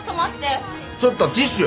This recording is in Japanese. ちょっとティッシュ。